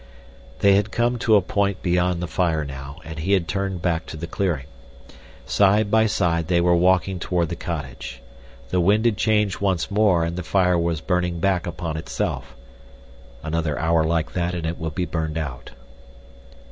They had come to a point beyond the fire now, and he had turned back to the clearing. Side by side they were walking toward the cottage. The wind had changed once more and the fire was burning back upon itself—another hour like that and it would be burned out.